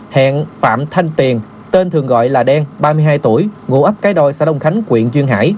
hẹn phạm thanh tiền tên thường gọi là đen ba mươi hai tuổi ngụ ấp cái đôi xã đông khánh quyện duyên hải